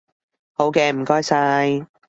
好嘅，唔該晒